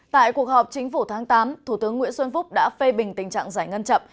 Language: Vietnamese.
tại cuộc họp chính phủ tháng tám thủ tướng nguyễn xuân phúc đã phê bình tình trạng giải ngân chậm